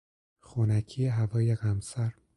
خنکی هوای قمصر